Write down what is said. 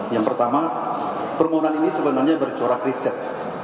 yang pertama permohonan ini sebenarnya bercorak riset